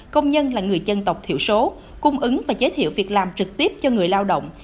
công nhân là người dân tộc thiểu số cung ứng và giới thiệu việc làm trực tiếp cho người lao động